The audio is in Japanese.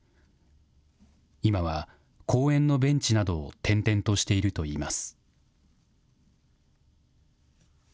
今は公園のベンチなどを転々としているといいます。